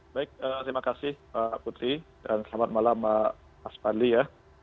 baik terima kasih pak putri dan selamat malam mas fadli ya